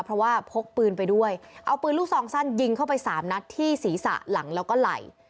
เพราะว่าพกปืนไปด้วยเอาปืนลูกซองสั้นยิงเข้าไปสามนัดที่ศีรษะหลังแล้วก็ไหล่